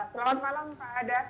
selamat malam pak ada